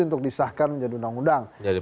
untuk disahkan menjadi undang undang